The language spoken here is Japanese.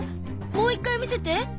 もう一回見せて。